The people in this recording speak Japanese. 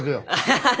ハハハハ。